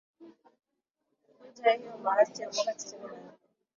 kuvunja hayo maasi ya mwaka tisini na nne